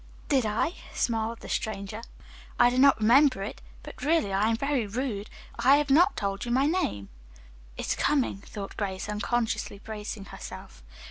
"Did I!" smiled the stranger. "I do not remember it. But, really, I am very rude! I have not told you my name." "It's coming," thought Grace, unconsciously bracing herself.